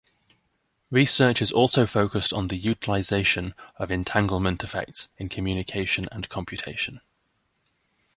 Research is also focused on the utilization of entanglement effects in communication and computation.